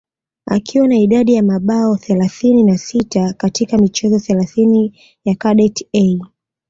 akiwa na idadi ya mabao thelathini na sita katika michezo thelathini ya kadet A